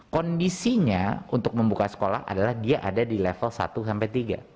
kondisinya untuk membuka sekolah adalah dia ada di level satu sampai tiga